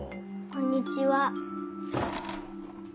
こんにちは。